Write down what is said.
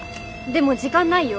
でも時間ないよ？